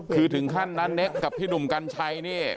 คือถึงขั้นนั้นกับพี่หนุ่มกัญชัย